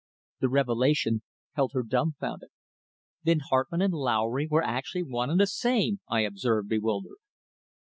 The revelation held her dumbfounded. "Then Hartmann and Lowry were actually one and the same?" I observed, bewildered.